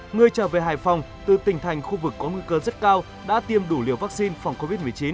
người trở về hải phòng từ tỉnh thành khu vực có nguy cơ rất cao đã tiêm đủ liều vaccine phòng covid một mươi chín